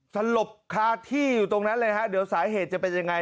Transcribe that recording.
สลบคาที่อยู่ตรงนั้นเลยฮะเดี๋ยวสาเหตุจะเป็นยังไง